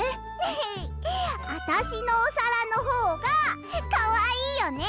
えへっあたしのおさらのほうがかわいいよね？